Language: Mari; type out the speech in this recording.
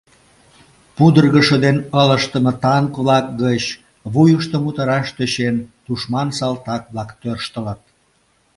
Пудыргышо ден ылыжтыме танк-влак гыч, вуйыштым утараш тӧчен, тушман салтак-влак тӧрштылыт...